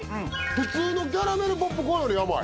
普通のキャラメルポップコーンより甘い。